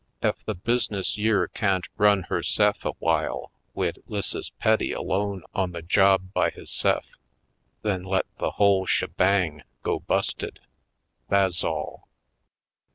Ef the bus'ness yere can't run herse'f aw'ile wid 'Lisses Petty alone Headed Home 259 on the job by hisse'f, then let the whole she bang go busted — tha's all.